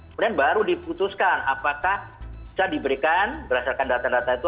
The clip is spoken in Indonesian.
kemudian baru diputuskan apakah bisa diberikan berdasarkan data data itu